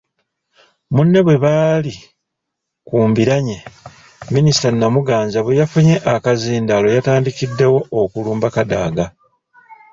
Munne bwe bali ku mbiranye, Minisita Namuganza bwe yafunye akazindaalo yatandikiddewo okulumba Kadaga.